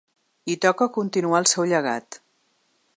I toca continuar el seu llegat.